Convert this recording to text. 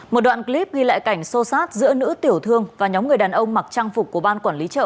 một đoạn clip ghi lại cảnh sô sát giữa nữ tiểu thương và nhóm người đàn ông mặc trang phục của ban quản lý chợ